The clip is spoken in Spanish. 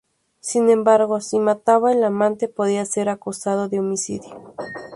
Sin embargo, si mataba al amante, podía ser acusado de homicidio.